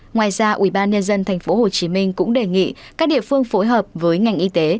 ngoài ra ủy ban nhân dân tp hcm cũng đề nghị các địa phương phối hợp với ngành y tế